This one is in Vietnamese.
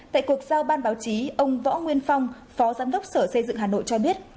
tại cuộc giao ban báo chí ông võ nguyên phong phó giám đốc sở xây dựng hà nội cho biết